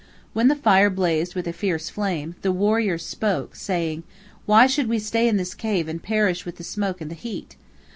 When the fire blazed with a fierce flame, the warriors spoke, saying: "Why should we stay in this cave and perish with the smoke and the heat?